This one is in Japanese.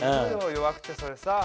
弱くてそれさ。